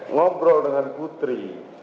ngobrol dengan kutri